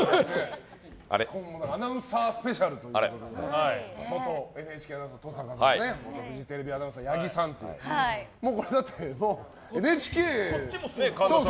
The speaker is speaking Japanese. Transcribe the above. アナウンサースペシャルということで元ＮＨＫアナウンサーの登坂さんと元フジテレビアナウンサーの八木さんということで。